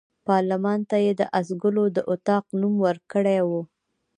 پارلمان ته یې د آس ګلو د اطاق نوم ورکړی وو.